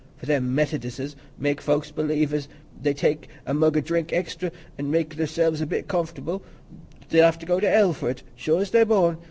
For them Methodisses make folks believe as if they take a mug o' drink extry, an' make theirselves a bit comfortable, they'll have to go to hell for't as sure as they're born.